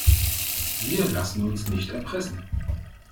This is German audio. Wir lassen uns nicht erpressen.